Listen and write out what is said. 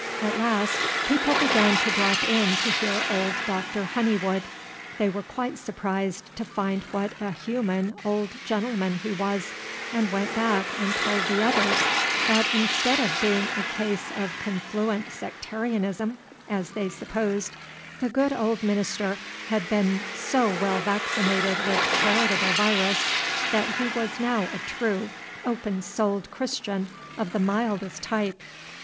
At last, people began to drop in to hear old Doctor Honeywood. They were quite surprised to find what a human old gentleman he was, and went back and told the others, that, instead of being a case of confluent sectarianism, as they supposed, the good old minister had been so well vaccinated with charitable virus that he was now a true, open souled Christian of the mildest type.